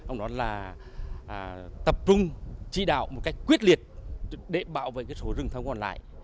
ông nói là tập trung chỉ đạo một cách quyết liệt để bảo vệ số rừng thông còn lại